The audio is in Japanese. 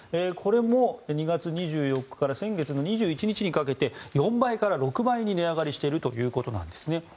これも２月２４日から先月の２１日にかけて４倍から６倍に値上がりしているということです。